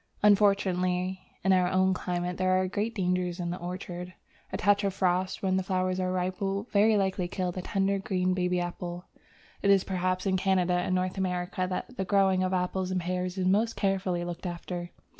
Unfortunately, in our own climate there are great dangers in the orchard. A touch of frost when the flowers are ripe will very likely kill the tender, green, baby apple. It is perhaps in Canada and North America that the growing of apples and pears is most carefully looked after.